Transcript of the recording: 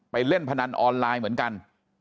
เล่นพนันออนไลน์เหมือนกัน